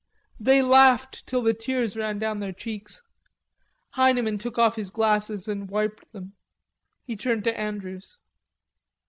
They laughed till the tears ran down their cheeks. Heineman took off his glasses and wiped them. He turned to Andrews.